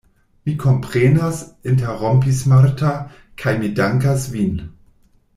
Mi komprenas, interrompis Marta, kaj mi dankas vin!